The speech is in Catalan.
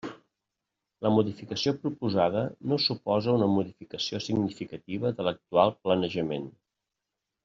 La modificació proposada no suposa una modificació significativa de l'actual planejament.